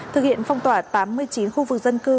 thực hiện phong tỏa tám mươi chín khu vực dân cư